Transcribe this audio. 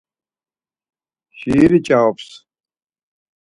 Şiiri ç̌arums.